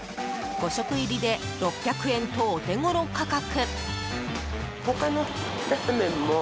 ５食入りで６００円とお手頃価格。